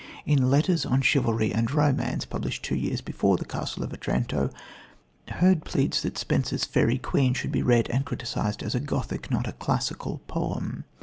In Letters on Chivalry and Romance, published two years before The Castle of Otranto, Hurd pleads that Spenser's Faerie Queene should be read and criticised as a Gothic, not a classical, poem.